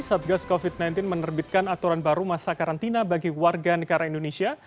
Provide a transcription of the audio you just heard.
satgas covid sembilan belas menerbitkan aturan baru masa karantina bagi warga negara indonesia